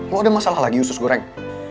lo ada masalah lagi usus goreng